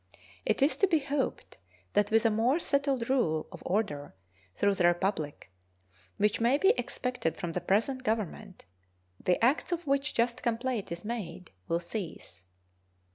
It is to be hoped that with a more settled rule of order through the Republic, which may be expected from the present Government, the acts of which just complaint is made will cease.